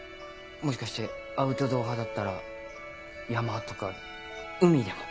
もしかしてアウトドア派だったら山とか海でも。